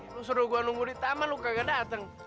lu suruh gue nunggu di taman lu kagak dateng